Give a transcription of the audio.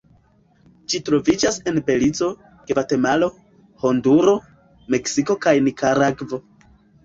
Ĝi troviĝas en Belizo, Gvatemalo, Honduro, Meksiko kaj Nikaragvo.